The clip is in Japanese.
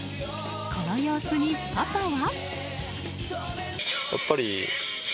この様子に、パパは。